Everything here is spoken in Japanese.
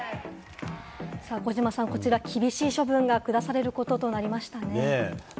児嶋さん、こちら、厳しい処分がくだされることとなりましたね。